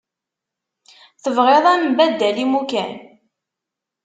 Tebɣiḍ ad nembaddal imukan?